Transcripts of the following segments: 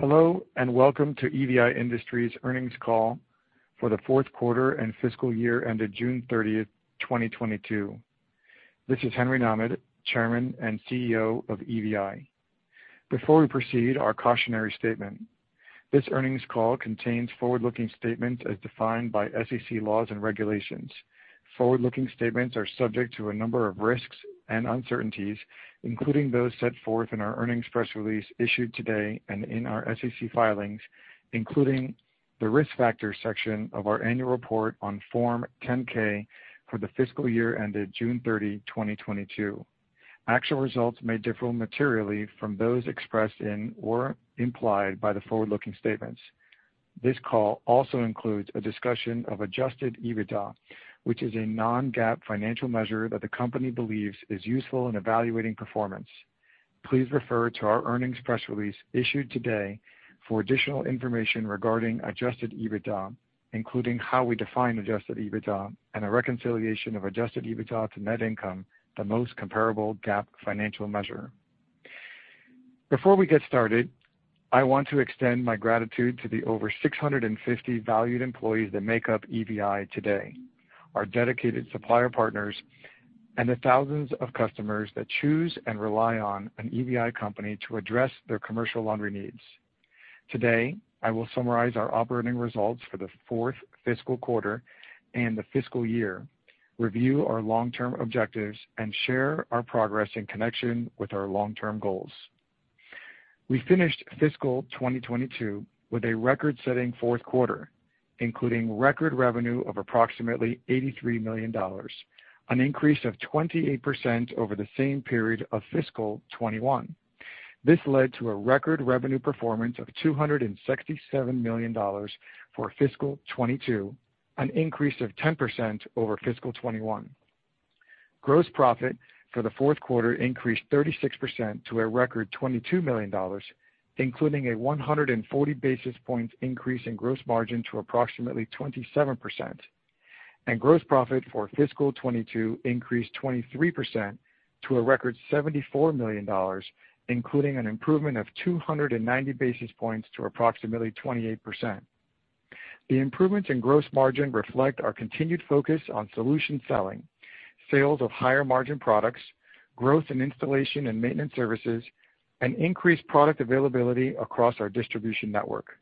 Hello, Welcome to EVI Industries earnings call for the fourth quarter and fiscal year ended June 30, 2022. This is Henry Nahmad, Chairman and CEO of EVI. Before we proceed, our cautionary statement. This earnings call contains forward-looking statements as defined by SEC laws and regulations. Forward-looking statements are subject to a number of risks and uncertainties, including those set forth in our earnings press release issued today and in our SEC filings, including the Risk Factors section of our annual report on Form 10-K for the fiscal year ended June 30, 2022. Actual results may differ materially from those expressed in or implied by the forward-looking statements. This call also includes a discussion of Adjusted EBITDA, which is a non-GAAP financial measure that the company believes is useful in evaluating performance. Please refer to our earnings press release issued today for additional information regarding Adjusted EBITDA, including how we define Adjusted EBITDA and a reconciliation of Adjusted EBITDA to net income, the most comparable GAAP financial measure. Before we get started, I want to extend my gratitude to the over 650 valued employees that make up EVI today, our dedicated supplier partners, and the thousands of customers that choose and rely on an EVI company to address their commercial laundry needs. Today, I will summarize our operating results for the fourth fiscal quarter and the fiscal year, review our long-term objectives, and share our progress in connection with our long-term goals. We finished fiscal 2022 with a record-setting fourth quarter, including record revenue of approximately $83 million, an increase of 28% over the same period of fiscal 2021. This led to a record revenue performance of $267 million for fiscal 2022, an increase of 10% over fiscal 2021. Gross profit for the fourth quarter increased 36% to a record $22 million, including a 140 basis points increase in gross margin to approximately 27%. Gross profit for fiscal 2022 increased 23% to a record $74 million, including an improvement of 290 basis points to approximately 28%. The improvements in gross margin reflect our continued focus on solution selling, sales of higher margin products, growth in installation and maintenance services, and increased product availability across our distribution network.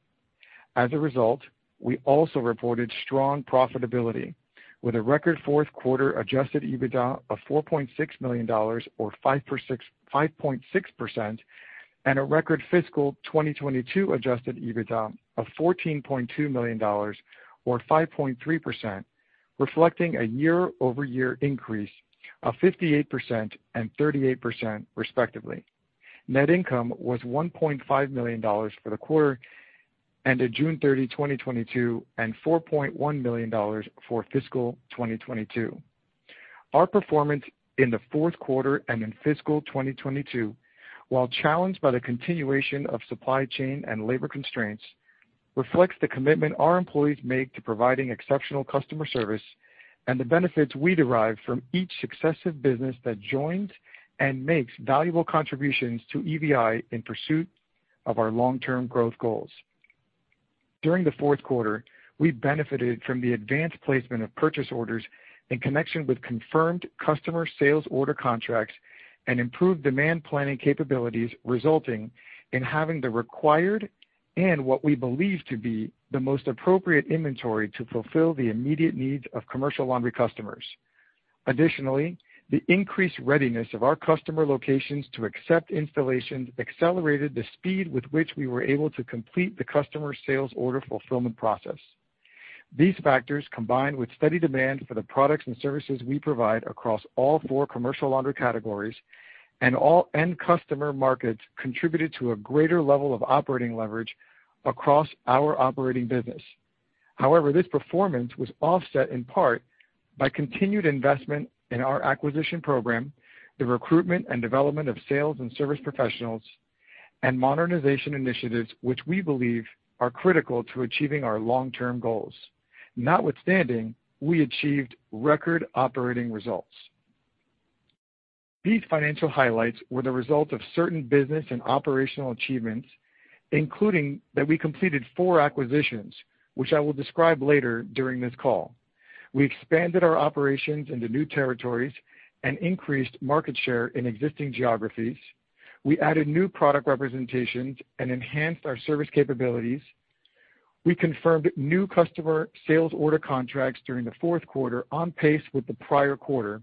As a result, we also reported strong profitability with a record fourth quarter Adjusted EBITDA of $4.6 million or 5.6%, and a record fiscal 2022 Adjusted EBITDA of $14.2 million or 5.3%, reflecting a year-over-year increase of 58% and 38% respectively. Net income was $1.5 million for the quarter ended June 30, 2022, and $4.1 million for fiscal 2022. Our performance in the fourth quarter and in fiscal 2022, while challenged by the continuation of supply chain and labor constraints, reflects the commitment our employees make to providing exceptional customer service and the benefits we derive from each successive business that joins and makes valuable contributions to EVI in pursuit of our long-term growth goals. During the fourth quarter, we benefited from the advanced placement of purchase orders in connection with confirmed customer sales order contracts and improved demand planning capabilities, resulting in having the required and what we believe to be the most appropriate inventory to fulfill the immediate needs of commercial laundry customers. Additionally, the increased readiness of our customer locations to accept installations accelerated the speed with which we were able to complete the customer sales order fulfillment process. These factors, combined with steady demand for the products and services we provide across all four commercial laundry categories and all end customer markets, contributed to a greater level of operating leverage across our operating business. However, this performance was offset in part by continued investment in our acquisition program, the recruitment and development of sales and service professionals, and modernization initiatives which we believe are critical to achieving our long-term goals. Notwithstanding, we achieved record operating results. These financial highlights were the result of certain business and operational achievements, including that we completed four acquisitions, which I will describe later during this call. We expanded our operations into new territories and increased market share in existing geographies. We added new product representations and enhanced our service capabilities. We confirmed new customer sales order contracts during the fourth quarter on pace with the prior quarter.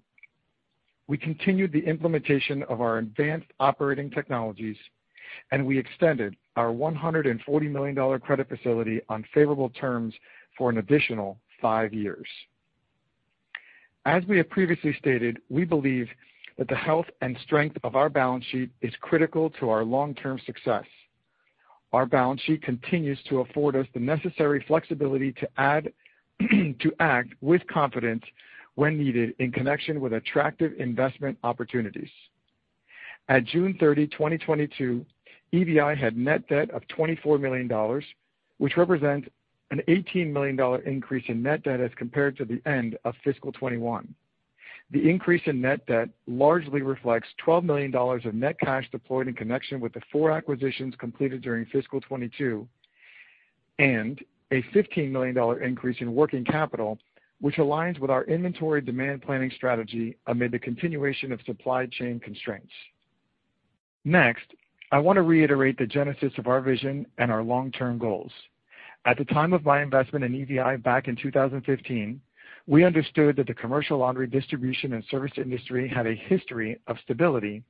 We continued the implementation of our advanced operating technologies, and we extended our $140 million credit facility on favorable terms for an additional five years. As we have previously stated, we believe that the health and strength of our balance sheet is critical to our long-term success. Our balance sheet continues to afford us the necessary flexibility to act with confidence when needed in connection with attractive investment opportunities. At June 30, 2022, EVI had net debt of $24 million, which represents an $18 million increase in net debt as compared to the end of fiscal 2021. The increase in net debt largely reflects $12 million of net cash deployed in connection with the four acquisitions completed during fiscal 2022, and a $15 million increase in working capital, which aligns with our inventory demand planning strategy amid the continuation of supply chain constraints. Next, I want to reiterate the genesis of our vision and our long-term goals. At the time of my investment in EVI back in 2015, we understood that the commercial laundry distribution and service industry had a history of stability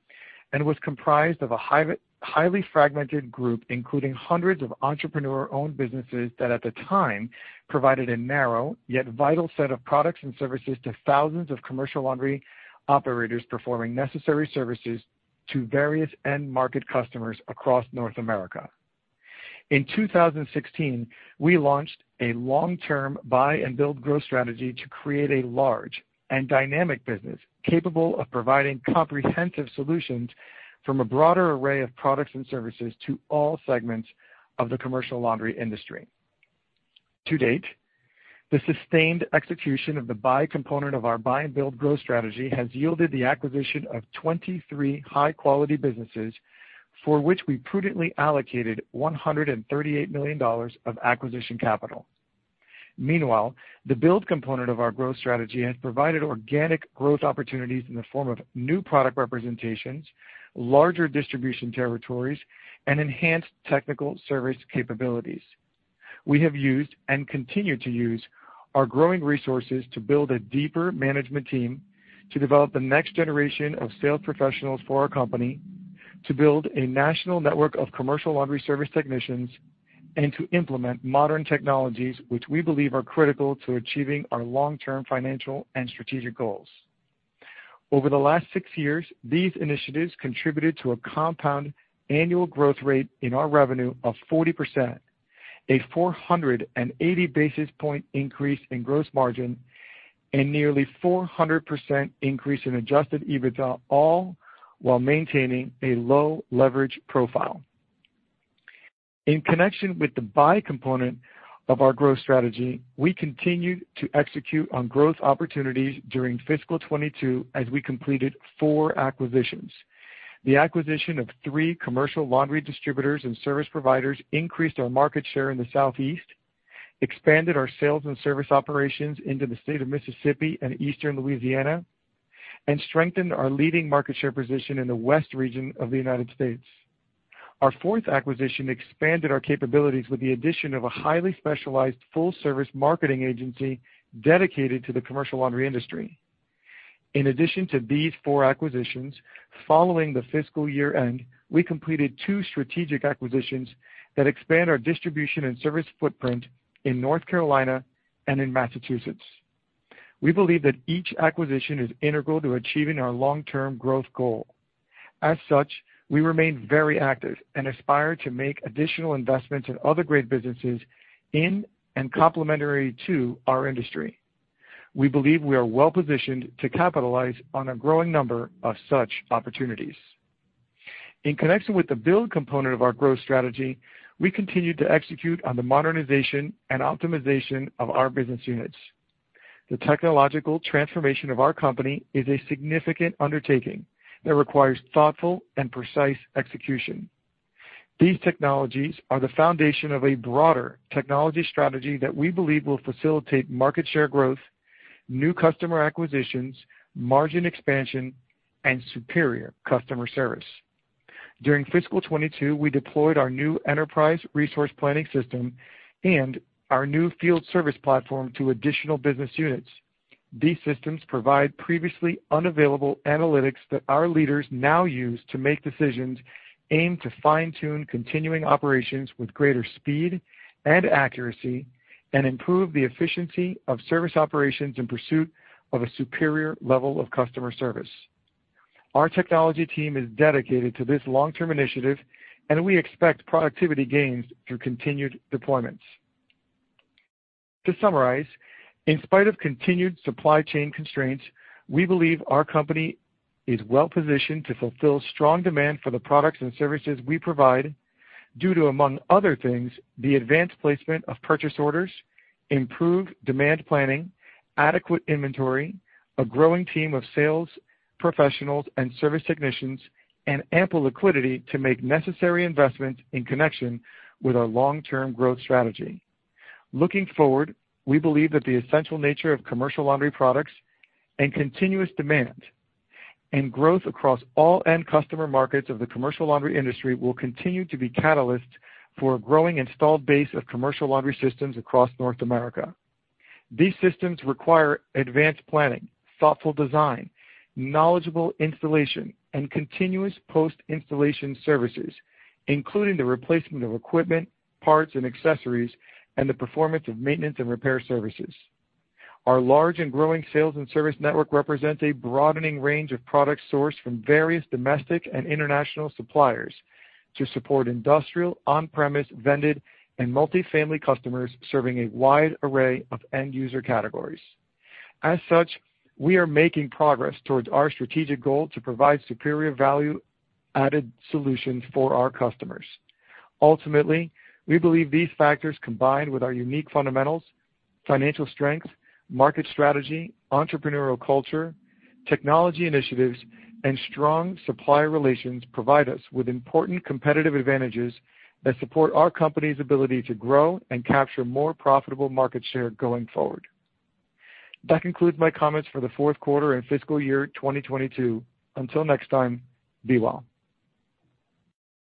and was comprised of a highly fragmented group, including hundreds of entrepreneur-owned businesses that, at the time, provided a narrow yet vital set of products and services to thousands of commercial laundry operators performing necessary services to various end market customers across North America. In 2016, we launched a long-term buy and build growth strategy to create a large and dynamic business capable of providing comprehensive solutions from a broader array of products and services to all segments of the commercial laundry industry. To date, the sustained execution of the buy component of our buy and build growth strategy has yielded the acquisition of 23 high quality businesses, for which we prudently allocated $138 million of acquisition capital. Meanwhile, the build component of our growth strategy has provided organic growth opportunities in the form of new product representations, larger distribution territories, and enhanced technical service capabilities. We have used and continue to use our growing resources to build a deeper management team, to develop the next generation of sales professionals for our company, to build a national network of commercial laundry service technicians, and to implement modern technologies which we believe are critical to achieving our long-term financial and strategic goals. Over the last six years, these initiatives contributed to a compound annual growth rate in our revenue of 40%, a 480 basis point increase in gross margin, and nearly 400% increase in Adjusted EBITDA, all while maintaining a low leverage profile. In connection with the buy component of our growth strategy, we continued to execute on growth opportunities during fiscal 2022 as we completed four acquisitions. The acquisition of three commercial laundry distributors and service providers increased our market share in the Southeast, expanded our sales and service operations into the state of Mississippi and Eastern Louisiana, and strengthened our leading market share position in the West region of the United States. Our fourth acquisition expanded our capabilities with the addition of a highly specialized full service marketing agency dedicated to the commercial laundry industry. In addition to these four acquisitions, following the fiscal year-end, we completed two strategic acquisitions that expand our distribution and service footprint in North Carolina and in Massachusetts. We believe that each acquisition is integral to achieving our long-term growth goal. As such, we remain very active and aspire to make additional investments in other great businesses in and complementary to our industry. We believe we are well-positioned to capitalize on a growing number of such opportunities. In connection with the build component of our growth strategy, we continued to execute on the modernization and optimization of our business units. The technological transformation of our company is a significant undertaking that requires thoughtful and precise execution. These technologies are the foundation of a broader technology strategy that we believe will facilitate market share growth, new customer acquisitions, margin expansion, and superior customer service. During fiscal 2022, we deployed our new enterprise resource planning system and our new field service platform to additional business units. These systems provide previously unavailable analytics that our leaders now use to make decisions aimed to fine-tune continuing operations with greater speed and accuracy, and improve the efficiency of service operations in pursuit of a superior level of customer service. Our technology team is dedicated to this long-term initiative, and we expect productivity gains through continued deployments. To summarize, in spite of continued supply chain constraints, we believe our company is well-positioned to fulfill strong demand for the products and services we provide due to, among other things, the advanced placement of purchase orders, improved demand planning, adequate inventory, a growing team of sales professionals and service technicians, and ample liquidity to make necessary investments in connection with our long-term growth strategy. Looking forward, we believe that the essential nature of commercial laundry products and continuous demand and growth across all end customer markets of the commercial laundry industry will continue to be catalysts for a growing installed base of commercial laundry systems across North America. These systems require advanced planning, thoughtful design, knowledgeable installation, and continuous post-installation services, including the replacement of equipment, parts and accessories, and the performance of maintenance and repair services. Our large and growing sales and service network represents a broadening range of products sourced from various domestic and international suppliers to support industrial, on-premise, vended, and multifamily customers serving a wide array of end user categories. As such, we are making progress towards our strategic goal to provide superior value added solutions for our customers. Ultimately, we believe these factors, combined with our unique fundamentals, financial strength, market strategy, entrepreneurial culture, technology initiatives, and strong supplier relations, provide us with important competitive advantages that support our company's ability to grow and capture more profitable market share going forward. That concludes my comments for the fourth quarter and fiscal year 2022. Until next time, be well.